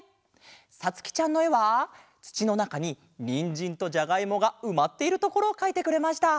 さつきちゃんのえはつちのなかににんじんとじゃがいもがうまっているところをかいてくれました。